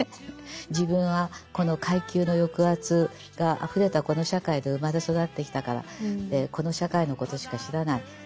自分はこの階級の抑圧があふれたこの社会で生まれ育ってきたからこの社会のことしか知らない。